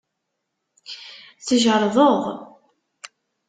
Tjerrdeḍ?